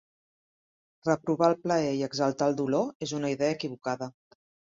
Reprovar el plaer i exaltar el dolor és una idea equivocada.